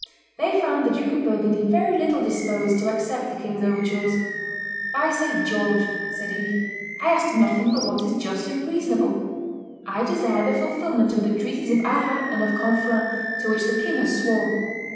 They found the Duke of Burgundy very little disposed to accept the king's overtures. "By St. George," said he, "I ask nothing but what is just and reasonable; I desire the fulfilment of the treaties of Arras and of Conflans to which the king has sworn.